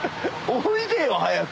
おいでよ早く。